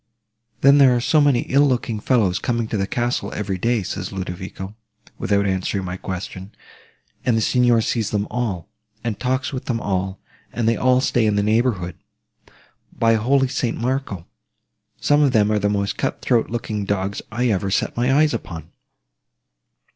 'Then there are so many ill looking fellows coming to the castle every day,' says Ludovico, without answering my question, 'and the Signor sees them all, and talks with them all, and they all stay in the neighbourhood! By holy St. Marco! some of them are the most cut throat looking dogs I ever set my eyes upon.